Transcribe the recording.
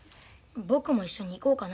僕も一緒に行こうかな。